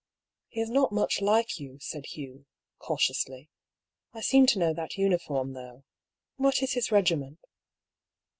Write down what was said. " He is not much like you," said Hugh, cautiously. " I seem to know that uniform, though. What is his regiment